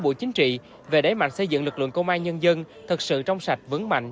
bộ chính trị về đẩy mạnh xây dựng lực lượng công an nhân dân thật sự trong sạch vững mạnh